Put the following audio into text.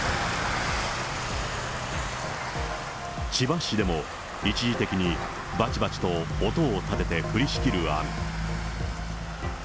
千葉市でも、一時的にばちばちと音を立てて降りしきる雨。